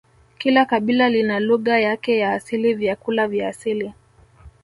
Kila kabila lina lugha yake ya asili vyakula vya asili